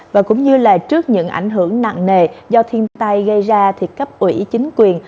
và cũng như là trước những ảnh hưởng nặng nề do thiên tai gây ra thì cấp ủy chính quyền